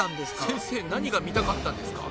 先生何が見たかったんですか？